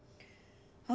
あ